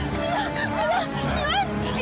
dan kamu lagi fadil